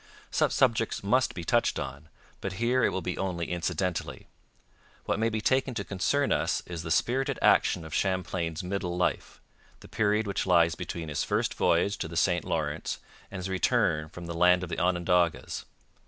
Such subjects must be touched on, but here it will be only incidentally. What may be taken to concern us is the spirited action of Champlain's middle life the period which lies between his first voyage to the St Lawrence and his return from the land of the Onondagas.